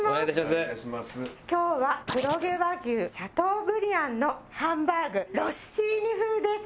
今日は黒毛和牛シャトーブリアンのハンバーグロッシーニ風です。